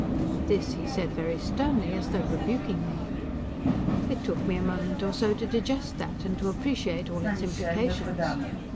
This he said very sternly, as though rebuking me. It took me a moment or so to digest that, and to appreciate all its implications.